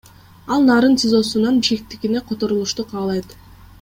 Ал Нарын ТИЗОсунан Бишкектикине которулушту каалайт.